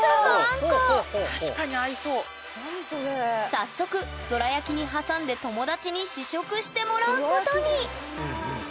早速どら焼きに挟んで友達に試食してもらうことに！